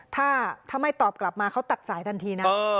ถ้าไม่ตอบกลับมาเขาตัดสายทันทีนะ